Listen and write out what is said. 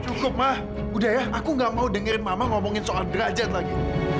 cukup mah udah ya aku gak mau dengerin mama ngomongin soal derajat lagi